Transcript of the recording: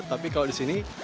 tapi kalau di sini